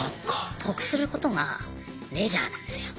得することがレジャーなんですよ。